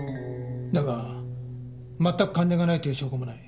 だが全く関連がないという証拠もない。